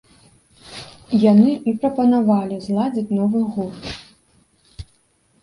Яны і прапанавалі зладзіць новы гурт.